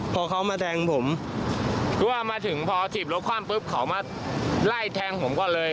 พอเขามาแทงผมคือว่ามาถึงพอถีบรถความปุ๊บเขามาไล่แทงผมก่อนเลย